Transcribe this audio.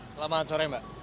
selamat sore mbak